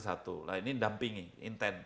nah ini dampingi intent